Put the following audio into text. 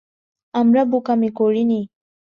আমরা বোকামি করিনি।